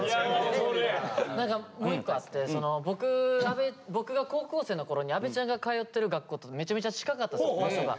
何かもう一個あって僕が高校生のころに阿部ちゃんが通ってる学校とめちゃめちゃ近かったんすよ場所が。